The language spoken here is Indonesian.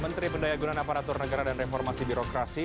menteri pendayagunan aparatur negara dan reformasi birokrasi